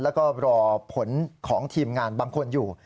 แล้วก็รอผลของทีมงานบางคนอยู่